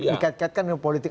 dikait kaitkan dengan politik